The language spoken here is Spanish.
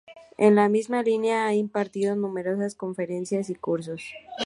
En la misma línea, ha impartido numerosas conferencias y cursos.